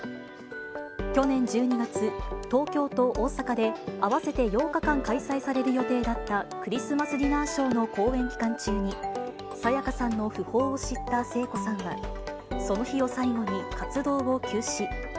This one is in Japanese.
去年１２月、東京と大阪で合わせて８日間開催される予定だったクリスマスディナーショーの公演期間中に、沙也加さんの訃報を知った聖子さんは、その日を最後に活動を休止。